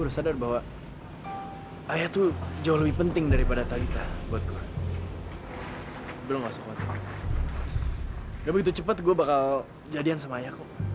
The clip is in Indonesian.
sampai jumpa di video selanjutnya